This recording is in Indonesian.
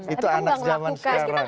itu anak zaman sekarang